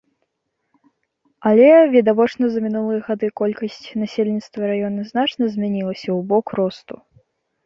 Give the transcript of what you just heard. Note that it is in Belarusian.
Але, відавочна, за мінулыя гады колькасць насельніцтва раёна значна змянілася ў бок росту.